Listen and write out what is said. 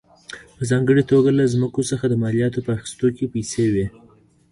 په ځانګړې توګه له ځمکو څخه د مالیاتو په اخیستو کې پیسې وې.